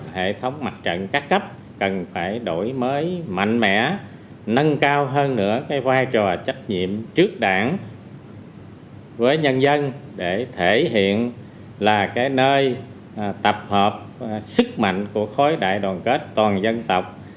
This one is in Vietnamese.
hệ thống mặt trận các cấp cần phải đổi mới mạnh mẽ nâng cao hơn nữa cái vai trò trách nhiệm trước đảng với nhân dân để thể hiện là cái nơi tập hợp sức mạnh của khối đại đoàn kết toàn dân tộc